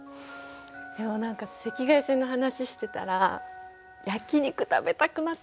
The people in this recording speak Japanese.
でも何か赤外線の話してたら焼き肉食べたくなっちゃった。